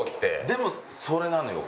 でもそれなのよ